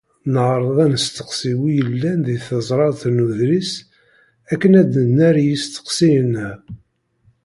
Neɛreḍ ad nesteqsi wid yellan deg tezrart n udlis akken ad d-nerr i yisteqsiyen-a.